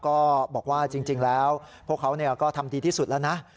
ก็บอกว่าจริงแล้วพวกเขาก็ทำดีที่สุดแล้วนะ